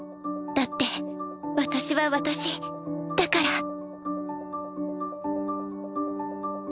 だって私は私だから。